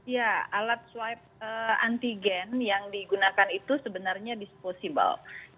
ya alat swab antigen yang digunakan itu sebenarnya disposable